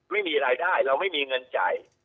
ไม่มีรายได้เราไม่มีเงินจ่าย